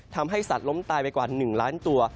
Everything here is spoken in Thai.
ทำให้สัตว์ล้มตายไปกว่า๑ล้านตัว